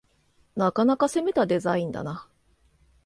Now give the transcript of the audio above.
なかなか攻めたデザインだな